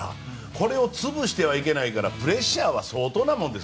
これを潰してはいけないからプレッシャーは相当なものです。